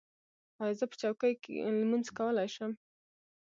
ایا زه په چوکۍ لمونځ کولی شم؟